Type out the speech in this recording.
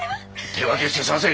手分けして捜せ！